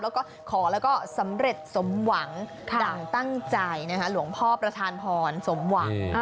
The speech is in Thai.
แล้วก็ขอแล้วก็สำเร็จสมหวังดั่งตั้งใจหลวงพ่อประธานพรสมหวัง